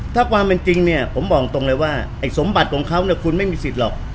ถ้าความเป็นจริงเนี่ยผมบอกตรงเลยว่าไอ้สมบัติของเขาเนี่ยคุณไม่มีสิทธิ์หรอก